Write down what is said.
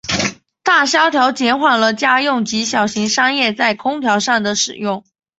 大萧条减缓了家用及小型商业在空调上的使用。